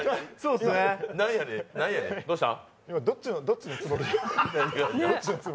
今、どっちのつもりで？